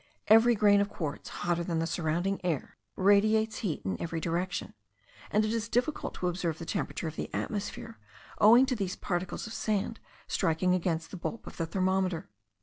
Every grain of quartz, hotter than the surrounding air, radiates heat in every direction; and it is difficult to observe the temperature of the atmosphere, owing to these particles of sand striking against the bulb of the thermometer.